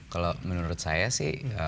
kalau menurut saya sih